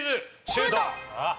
シュート！